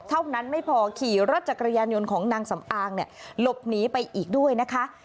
เท่านั้นไม่พอขี่รถจักรยานยนต์ของนางสำอางเนี่ยหลบหนีไปอีกด้วยนะคะ